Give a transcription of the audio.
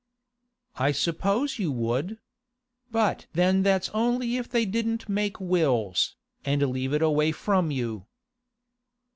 'I suppose you would. But then that's only if they didn't make wills, and leave it away from you.